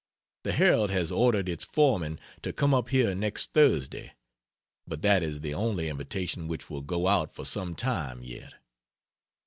The Herald has ordered its foreman to come up here next Thursday; but that is the only invitation which will go out for some time yet.